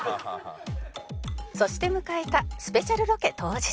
「そして迎えたスペシャルロケ当日」